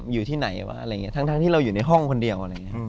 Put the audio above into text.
อยู่ที่ไหนวะอะไรอย่างนี้ทั้งที่เราอยู่ในห้องคนเดียวอะไรอย่างนี้